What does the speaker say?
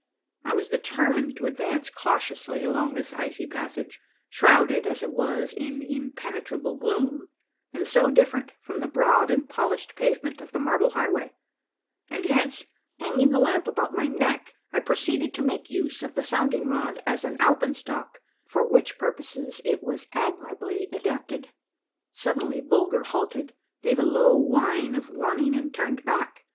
I was determined to advance cautiously along this icy passage, shrouded as it was in impenetrable gloom, and so different from the broad and polished pavement of the Marble Highway ; and hence, hanging the lamp about my neck, T proceeded to make use of the sounding rod as an alpenstock, for which purposes it was admirably adapted. Suddenly Bulger halted, gave a low whine of warning, and turned back.